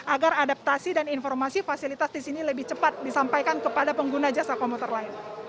agar adaptasi dan informasi fasilitas di sini lebih cepat disampaikan kepada pengguna jasa komuter lain